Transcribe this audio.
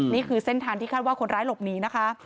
นี่คือเส้นทางที่คาดว่าคนร้ายหลบหนีนะคะ